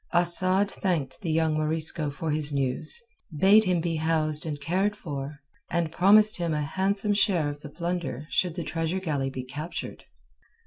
Asad thanked the young Morisco for his news, bade him be housed and cared for, and promised him a handsome share of the plunder should the treasure galley be captured.